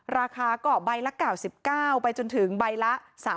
ราคาก่อใบละ๙๙ไปจนถึงใบละ